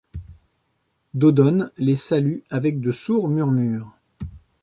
Dodone les salue avec de sourds murmures ;